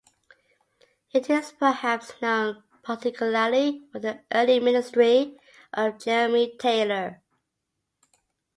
It is perhaps known particularly for the early ministry of Jeremy Taylor.